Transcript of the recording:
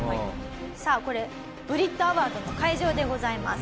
さあこれブリットアワードの会場でございます。